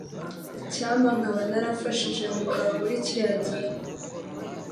Icyampa nkaba narafashije Mugabo muri kiriya gihe.